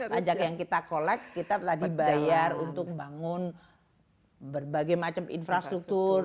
pajak yang kita collect kita tadi bayar untuk bangun berbagai macam infrastruktur